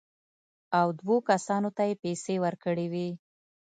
او دوو کسانو ته یې پېسې ورکړې وې.